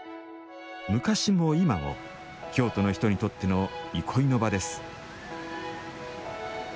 昔も今も、京都の人にとっての憩いの場です。